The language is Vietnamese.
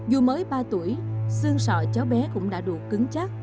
dù mới ba tuổi xương sọ cháu bé cũng đã đủ cứng chắc